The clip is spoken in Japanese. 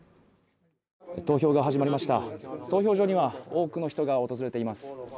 投票が始まりました投票所には多くの人が訪れています